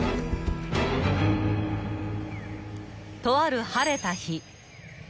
［とある晴れた日］